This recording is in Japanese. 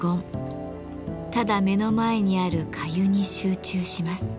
ただ目の前にある粥に集中します。